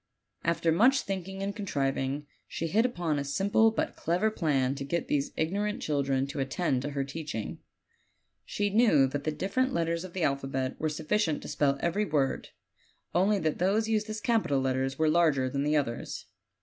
After much think ing and contriving, she hit upon a simple but clever plan to get these ignorant children to attend to her teaching. She knew that the different letters of the alphabet were sufficient to spell every word only that those used as capital letters were larger than the others.